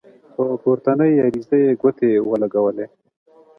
په پورتنۍ عریضه یې ګوتې ولګولې.